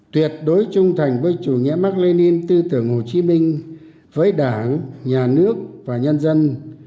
tuyệt đối trung thành với chủ nghĩa mạc lê ninh tư tưởng hồ chí minh với đảng nhà nước và nhân dân